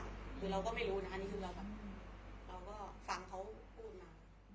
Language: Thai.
คือเราก็ไม่รู้นะอันนี้คือเราแบบเราก็ฟังเขาพูดมา